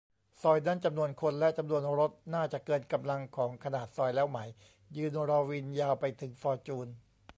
ซอยนั้นจำนวนคนและจำนวนรถน่าจะเกินกำลังของขนาดซอยแล้วไหม ยืนรอวินยาวไปถึงฟอร์จูน